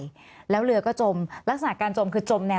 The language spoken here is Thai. มีความรู้สึกว่าเสียใจ